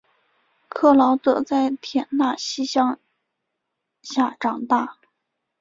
克劳德在田纳西乡下长大。